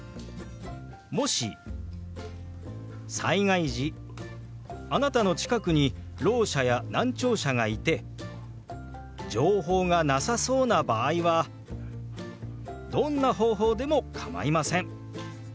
もし災害時あなたの近くにろう者や難聴者がいて情報がなさそうな場合はどんな方法でも構いません